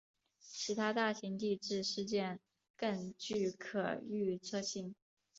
其他大型地质事件更具可预测性。